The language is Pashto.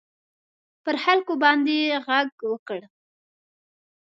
پر خلکو باندي ږغ وکړ.